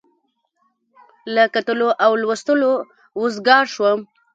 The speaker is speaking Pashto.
له کتلو او لوستلو وزګار شوم.